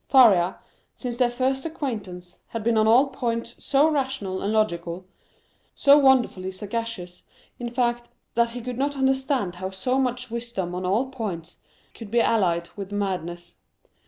Faria, since their first acquaintance, had been on all points so rational and logical, so wonderfully sagacious, in fact, that he could not understand how so much wisdom on all points could be allied with madness.